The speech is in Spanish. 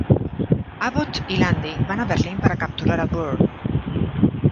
Abbott y Landy van a Berlín para capturar a Bourne.